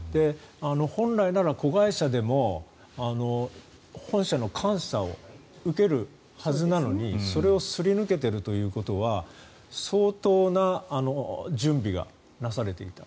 本来なら子会社でも本社の監査を受けるはずなのにそれをすり抜けているということは相当な準備がなされていた。